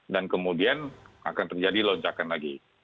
dan kemudian akan terjadi loncakan lagi